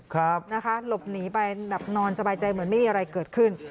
หลบหนีไปแบบนอนสบายใจเหมือนไม่มีอะไรเกิดขึ้น